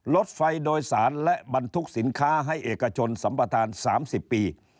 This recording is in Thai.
รถไฟโดยสารและบรรทุกสินค้าให้เอกชนสัมประธาน๓๐ปี